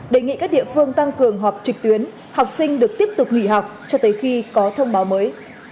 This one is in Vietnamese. đề nghị các địa phương tăng cường họp trực tuyến học sinh được tiếp tục nghỉ học cho tới khi có thông báo mới